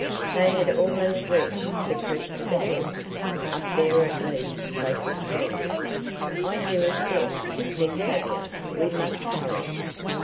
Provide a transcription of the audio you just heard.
They had almost reached the crest of the hill. Up there at least they could see. "I hear a step," said Tavia. "We must hurry."